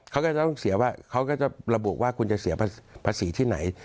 เขาก็จะระบุว่าคุณจะเสียภาษีที่ไหน